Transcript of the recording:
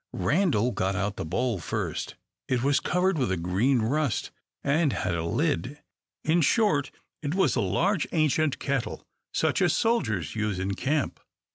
Randal got out the bowl first. It was covered with a green rust, and had a lid; in short, it was a large ancient kettle, such as soldiers use in camp.